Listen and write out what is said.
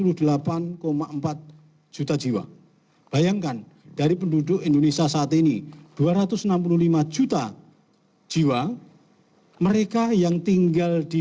hai juta jiwa bayangkan dari penduduk indonesia saat ini dua ratus enam puluh lima juta jiwa mereka yang tinggal di